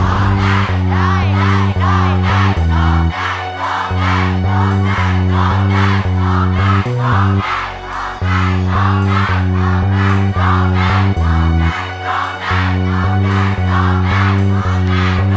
โทษได้โทษได้โทษได้โทษได้โทษได้โทษได้โทษได้โทษได้